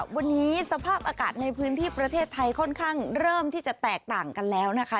วันนี้สภาพอากาศในพื้นที่ประเทศไทยค่อนข้างเริ่มที่จะแตกต่างกันแล้วนะคะ